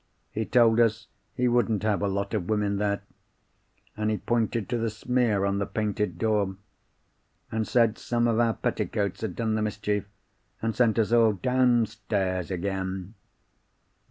He told us he wouldn't have a lot of women there; and he pointed to the smear on the painted door, and said some of our petticoats had done the mischief, and sent us all downstairs again.